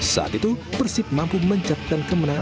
saat itu persib mampu mencapkan kemenangan